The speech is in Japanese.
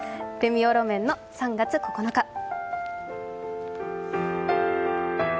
レミオロメンの「３月９日」。